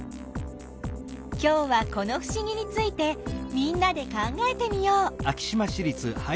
きょうはこのふしぎについてみんなで考えてみよう。